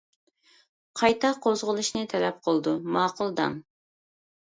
قايتا قوزغىلىشنى تەلەپ قىلىدۇ، ماقۇل دەڭ.